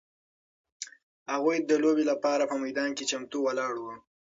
هغوی د لوبې لپاره په میدان کې چمتو ولاړ وو.